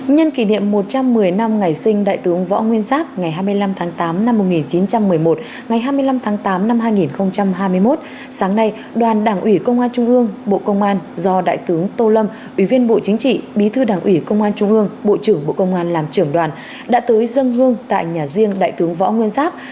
nhân kỷ niệm một trăm một mươi năm ngày sinh đại tướng võ nguyên giáp ngày hai mươi năm tháng tám năm một nghìn chín trăm một mươi một ngày hai mươi năm tháng tám năm hai nghìn hai mươi một sáng nay đoàn đảng ủy công an trung ương bộ công an do đại tướng tô lâm ủy viên bộ chính trị bí thư đảng ủy công an trung ương bộ trưởng bộ công an làm trưởng đoàn đã tới dân hương tại nhà riêng đại tướng võ nguyên giáp